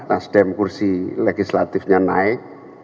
nasdem kursi legislatifnya naik